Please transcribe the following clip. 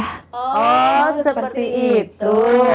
oh seperti itu